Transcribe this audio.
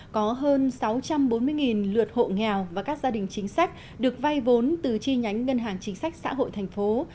có hơn sáu trăm bốn mươi lượt hộ nghèo và các gia đình chính sách được vay vốn từ chi nhánh ngân hàng chính sách xã hội thành phố